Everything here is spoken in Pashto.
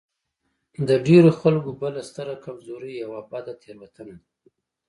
د ډېرو خلکو بله ستره کمزوري يوه بده تېروتنه ده.